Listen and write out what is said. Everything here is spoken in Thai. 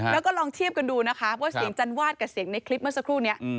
แล้วก็ลองเทียบกันดูนะคะว่าเสียงจันวาดกับเสียงในคลิปเมื่อสักครู่นี้